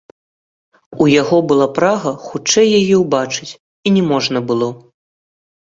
У яго была прага хутчэй яе ўбачыць, і не можна было.